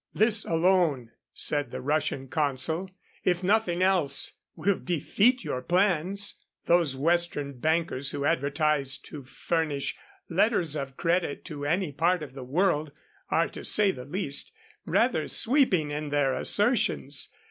"This alone," said the Russian consul, "if nothing else, will defeat your plans." Those Western bankers who advertise to furnish "letters of credit to any part of the world" are, to say the least, rather sweeping in their assertions.